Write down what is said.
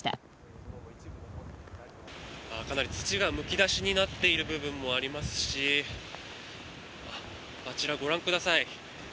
土がかなりむき出しになっている部分もありますしあちらご覧ください。